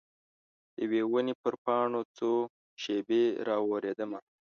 د یوي ونې پر پاڼو څو شیبې را اوریدمه